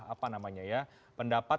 apa namanya ya pendapat